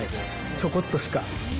ちょこっとしか。